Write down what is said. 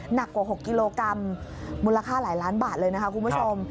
หนักกว่า๖กิโลกรัมมูลค่าหลายล้านบาทเลยนะคะคุณผู้ชม